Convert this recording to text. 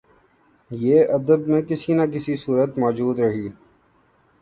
یہ ادب میں کسی نہ کسی صورت موجود رہی